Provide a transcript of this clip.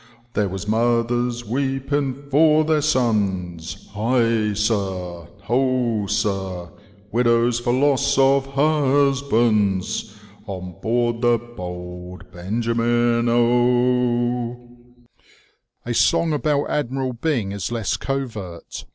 There was mothers weeping for their sons, High sir, ho sir. Widows for loss of husbands, On board the Bold Benjamin, O." A song about Admiral Byng is less covert.